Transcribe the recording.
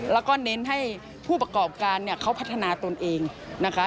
แล้วก็เน้นให้ผู้ประกอบการเนี่ยเขาพัฒนาตนเองนะคะ